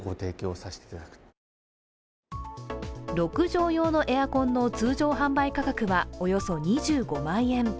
６畳用のエアコンの通常販売価格はおよそ２５万円。